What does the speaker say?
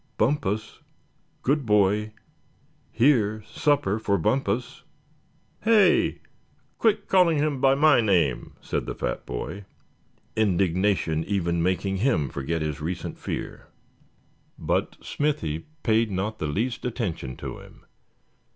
Bumpus, good boy! here supper for Bumpus!" "Hey, quit calling him by my name," said the fat boy, indignation even making him forget his recent fear. But Smithy paid not the least attention to him.